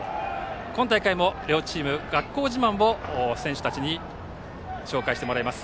今大会も両チーム、学校自慢を選手たちに紹介してもらいます。